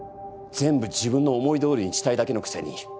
全部自分の思いどおりにしたいだけのくせに。